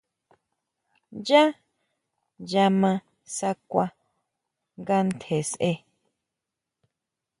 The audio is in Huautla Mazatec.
Yá ya ma sakʼua nga tjen sʼe.